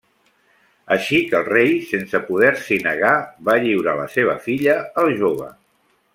Així que el rei sense poder-s'hi negar, va lliurar la seva filla al jove.